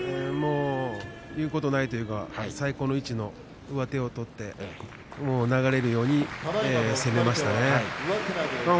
言うことないというか最高の位置の上手を取って流れるように攻めましたね。